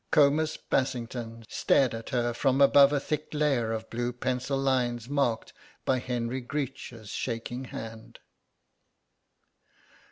"Comus Bassington" stared at her from above a thick layer of blue pencil lines marked by Henry Greech's shaking hand.